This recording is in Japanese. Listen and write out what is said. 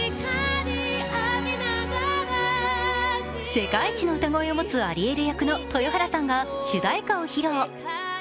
世界一の歌声を持つアリエル役の豊原さんが主題歌を披露。